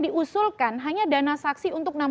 diusulkan hanya dana saksi untuk